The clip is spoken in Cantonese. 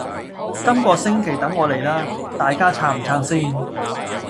今個星期等我黎啦！大家撐唔撐先？